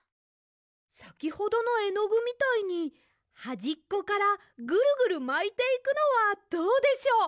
さきほどのえのぐみたいにはじっこからぐるぐるまいていくのはどうでしょう？